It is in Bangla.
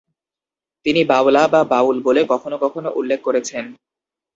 তিনি 'বাউলা' বা 'বাউল' বলে কখনো কখনো উল্লেখ করেছেন।